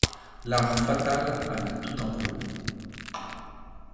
L'art fatal avait tout enveloppé.